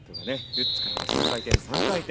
ルッツからの３回転３回転。